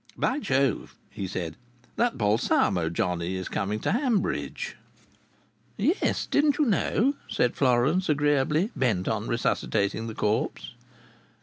"By Jove!" he said. "That Balsamo johnny is coming to Hanbridge!" "Yes, didn't you know?" said Florence, agreeably bent on resuscitating the corpse.